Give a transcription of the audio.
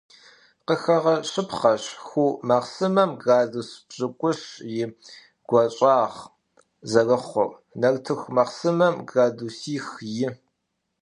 Къыхэгъэщыпхъэщ ху махъсымэм градус пщыкIущ и гуащIагъ зэрыхъур, нартыху махъсымэм - градусих-и.